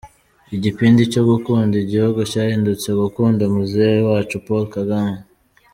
Igipindi cyo gukunda igihugu cyahindutse gukunda muzehe wacu Paulo Kagame.